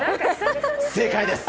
正解です！